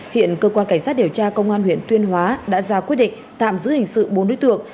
hiện cơ quan cảnh sát điều tra công an huyện tuyên hóa đã ra quyết định tạm giữ hình sự bốn đối tượng